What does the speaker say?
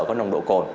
có nồng độ cồn